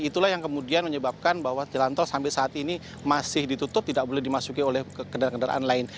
itulah yang kemudian menyebabkan bahwa jalan tol sampai saat ini masih ditutup tidak boleh dimasuki oleh kendaraan kendaraan lain